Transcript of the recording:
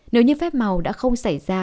nếu như phép màu đã không xảy ra